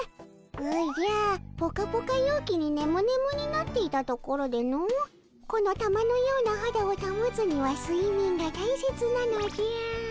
おじゃポカポカ陽気にねむねむになっていたところでのこの玉のようなはだをたもつにはすいみんが大切なのじゃ。